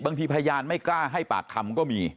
พยานไม่กล้าให้ปากคำก็มี